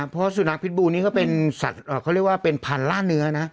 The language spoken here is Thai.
เพราะสุนัขพิษบูนี่ก็เป็นสัตว์เขาเรียกว่าเป็นพันล่าเนื้อนะ